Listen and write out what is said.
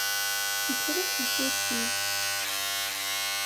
Ikref ufus-iw.